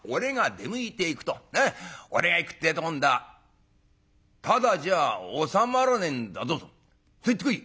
『俺が行くってえと今度はただじゃ収まらねえんだぞ』とそう言ってこい」。